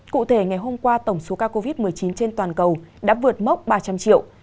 cụ thể ngày hôm qua tổng số ca covid một mươi chín trên toàn cầu đã vượt mốc ba trăm linh triệu